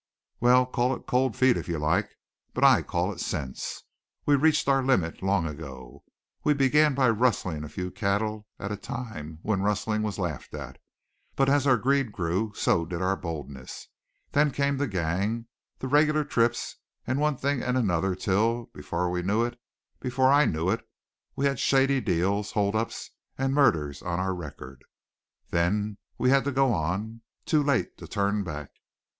"Well, call it cold feet if you like. But I call it sense. We reached our limit long ago. We began by rustling a few cattle at a time when rustling was laughed at. But as our greed grew so did our boldness. Then came the gang, the regular trips, and one thing and another till, before we knew it before I knew it, we had shady deals, hold ups, and murders on our record. Then we had to go on. Too late to turn back!"